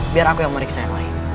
biar aku yang meriksa yang lain